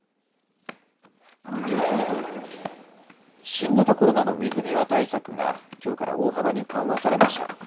新型コロナの水際対策がきょうから大幅に緩和されました。